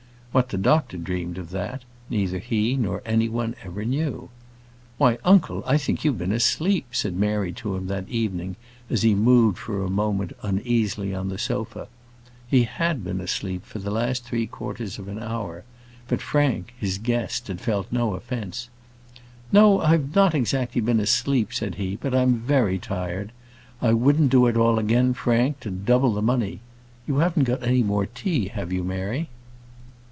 What the doctor dreamed of that, neither he or any one ever knew. "Why, uncle, I think you've been asleep," said Mary to him that evening as he moved for a moment uneasily on the sofa. He had been asleep for the last three quarters of an hour; but Frank, his guest, had felt no offence. "No, I've not been exactly asleep," said he; "but I'm very tired. I wouldn't do it all again, Frank, to double the money. You haven't got any more tea, have you, Mary?"